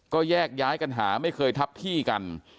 ก็แยกย้ายกันหาไม่เคยทับที่กัน